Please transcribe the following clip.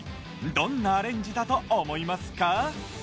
どんなアレンジだと思いますか？